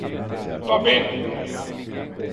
Va ben.